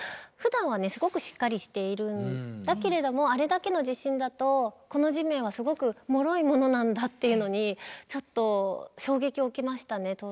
ふだんはすごくしっかりしているだけれどもあれだけの地震だとこの地面はすごくもろいものなんだっていうのにちょっと衝撃を受けましたね